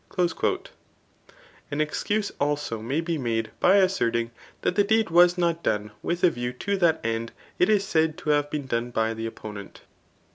*' An excuse also may be made by asserdng that the deed was not done with a view to that end it is said to have been done by the opponent.